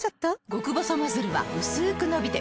極細ノズルはうすく伸びて